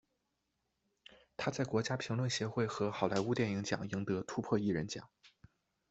他在国家评论协会和好莱坞电影奖赢得突破艺人奖。